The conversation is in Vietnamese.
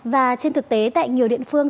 và trên thực tế tại nhiều điện phương